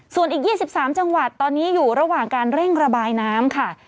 ส่วนอีก๒๓จังหวัดตอนนี้อยู่ระหว่างการเร่งระบายน้ำค่ะ